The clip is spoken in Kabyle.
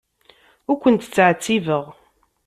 Ur kent-ttɛettibeɣ.